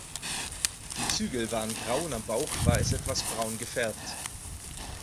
Die Zügel waren grau und am Bauch war es etwas braun gefärbt.